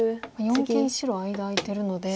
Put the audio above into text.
四間白間空いてるので。